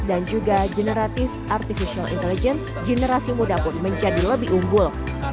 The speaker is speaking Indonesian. dan juga generatif artificial intelligence generasi muda pun menjadi lebih unggul